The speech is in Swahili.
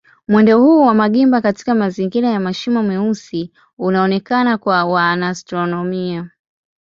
Mwendo huu wa magimba katika mazingira ya mashimo meusi unaonekana kwa wanaastronomia.